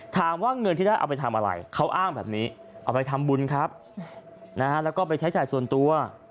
ถามว่าเงินที่ได้เอาไปทำอะไรเขาอ้างแบบนี้เอาไปทำบุญครับนะฮะแล้วก็ไปใช้จ่ายส่วนตัว